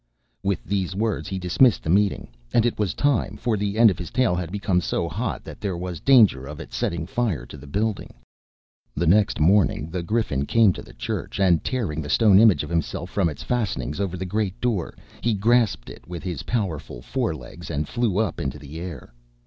With these words he dismissed the meeting, and it was time, for the end of his tail had become so hot that there was danger of its setting fire to the building. The next morning, the Griffin came to the church, and tearing the stone image of himself from its fastenings over the great door, he grasped it with his powerful fore legs and flew up into the air.